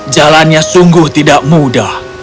jalannya sungguh tidak mudah